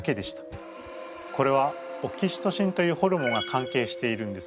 これはオキシトシンというホルモンが関係しているんです。